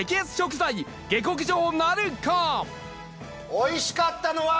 おいしかったのは。